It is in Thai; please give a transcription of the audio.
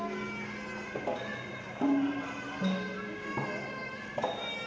สวัสดีครับทุกคน